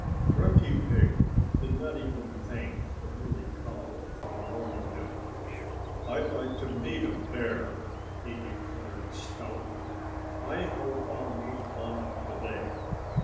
Grunty Pig did not even thank the Muley Cow for warning him. "I'd like to meet a bear," he declared stoutly. "I hope I'll meet one to day."